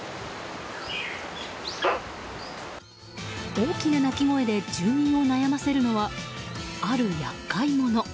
大きな鳴き声で住民を悩ませるのはある厄介者。